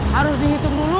harus dihitung dulu